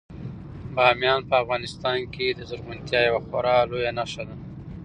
بامیان په افغانستان کې د زرغونتیا یوه خورا لویه نښه ده.